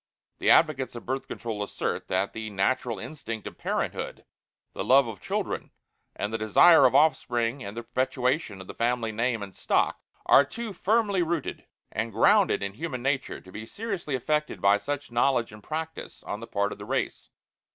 The advocates of Birth Control assert that the natural instinct of parenthood, the love of children, and the desire for offspring and the perpetuation of the family name and stock, are too firmly rooted and grounded in human nature to be seriously affected by such knowledge and practice on the part of the race.